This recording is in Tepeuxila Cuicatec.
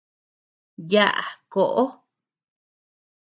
Yaʼa koʼo.